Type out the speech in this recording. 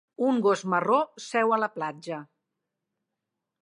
Un gos marró seu a la platja.